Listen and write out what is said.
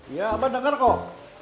iya abah denger kok